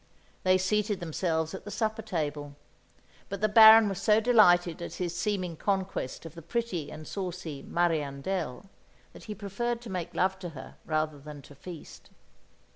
They seated themselves at the supper table; but the Baron was so delighted at his seeming conquest of the pretty and saucy "Mariandel" that he preferred to make love to her rather than to feast.